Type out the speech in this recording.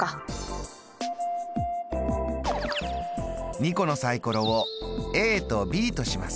２個のサイコロをＡとＢとします。